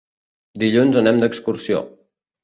Dilluns anem d'excursió.